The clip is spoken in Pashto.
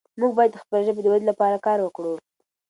موږ باید د خپلې ژبې د ودې لپاره کار وکړو.